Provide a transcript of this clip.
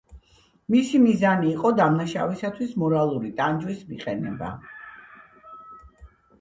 მისი მიზანი იყო დამნაშავისათვის მორალური ტანჯვის მიყენება.